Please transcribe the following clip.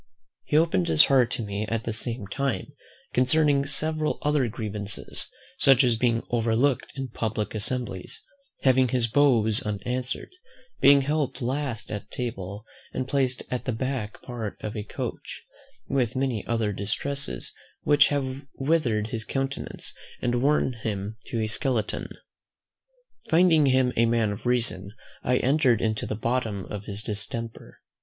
He opened his heart to me at the same time concerning several other grievances, such as being overlooked in public assemblies, having his bows unanswered, being helped last at table, and placed at the back part of a coach, with many other distresses, which have withered his countenance, and worn him to a skeleton. Finding him a man of reason, I entered into the bottom of his distemper.